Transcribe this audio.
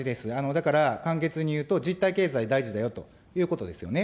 だから、簡潔に言うと、実体経済大事だよということですよね。